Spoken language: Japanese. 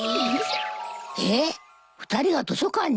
２人が図書館に？